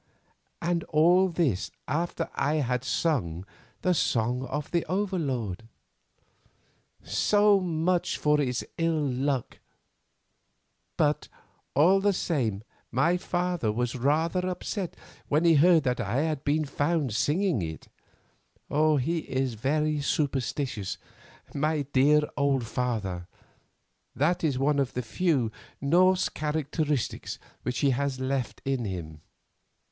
And all this after I had sung the 'Song of the Overlord!' So much for its ill luck. But, all the same, my father was rather upset when he heard that I had been found singing it. He is very superstitious, my dear old father; that is one of the few Norse characteristics which he has left in him.